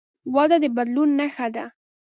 وده د بدلون نښه ده.